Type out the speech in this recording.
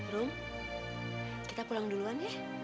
rum kita pulang duluan ya